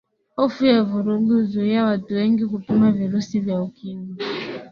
hofu ya vurugu huzuia watu wengi kupima virusi vya ukimwi